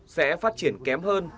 sẽ phát triển kém hơn